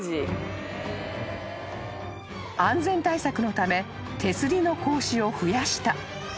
［安全対策のため手すりの格子を増やした］